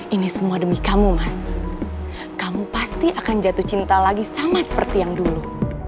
ini semua demi kamu mas kamu pasti akan jatuh cinta lagi sama seperti yang dulu